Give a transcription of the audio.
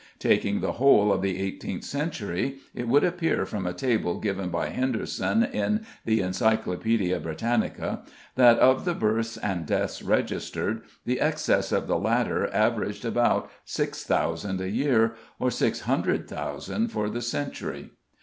Taking the whole of the 18th century, it would appear from a table given by Henderson, in the "Encyclopædia Britannica," that of the births and deaths registered, the excess of the latter averaged about 6,000 a year, or 600,000 for the century.